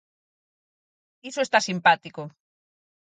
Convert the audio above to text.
Iso está simpático.